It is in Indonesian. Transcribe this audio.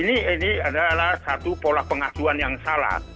ini adalah satu pola pengaduan yang salah